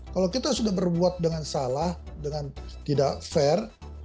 kalau kita sudah berbuat dengan salah dengan tidak fair